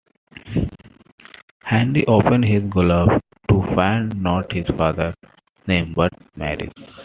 Henry opens his glove to find not his father's name, but Mary's.